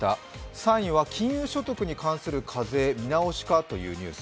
３位は金融所得に関する課税見直しかというニュース。